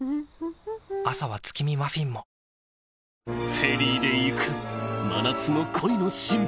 フェリーで行く真夏の恋のシンボル